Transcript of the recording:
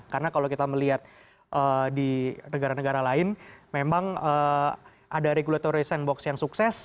karena kalau kita melihat di negara negara lain memang ada regulatory sandbox yang sukses